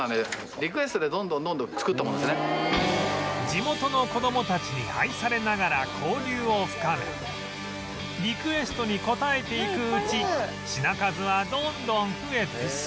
地元の子どもたちに愛されながら交流を深めリクエストに応えていくうち品数はどんどん増えて